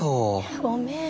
ごめん。